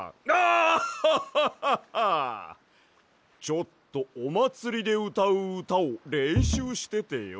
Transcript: ちょっとおまつりでうたううたをれんしゅうしててよ。